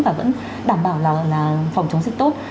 và vẫn đảm bảo là phòng chống dịch tốt